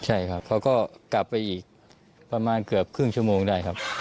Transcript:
ใช่ครับเขาก็กลับไปอีกประมาณเกือบครึ่งชั่วโมงได้ครับ